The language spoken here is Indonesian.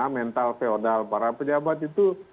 mental feodal para pejabat itu